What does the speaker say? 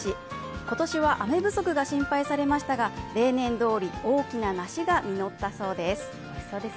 今年は雨不足が心配されましたが、例年どおり、大きな梨が実ったそうです。